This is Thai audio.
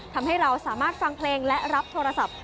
ทำให้เราสามารถฟังเพลงและรับโทรศัพท์